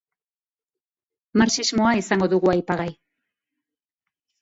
Marxismoa izango dugu aipagai.